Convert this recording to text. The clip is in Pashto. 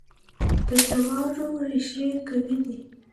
د جوارو ریښې قوي دي.